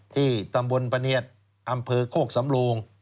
ที่ตำบลปะเนียดอำเภอโคกสำโลง